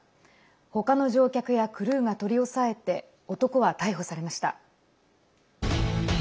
他の乗客やクルーが取り押さえて男は逮捕されました。